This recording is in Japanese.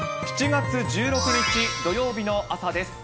７月１６日土曜日の朝です。